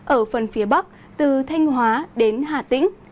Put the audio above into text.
ở phần phía bắc từ thanh hóa đến hà tĩnh